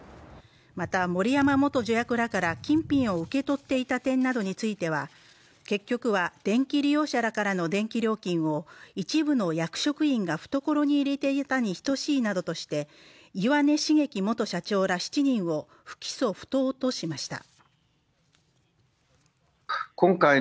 また森山元助役らから金品を受け取っていた点などについては結局は電気利用者からの電気料金を一部の役職員が懐に入れていたに等しいなどとして岩根茂樹元社長ら７人を不起訴不当としました。